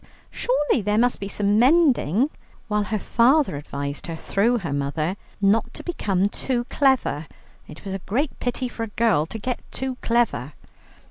Surely there must be some mending;" while her father advised her, through her mother, "not to become too clever; it was a great pity for a girl to get too clever."